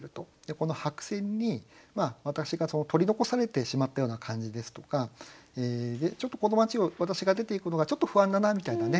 この白線に私が取り残されてしまったような感じですとかちょっとこの町を私が出て行くのがちょっと不安だなみたいなね